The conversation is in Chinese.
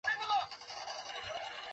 等结束马上订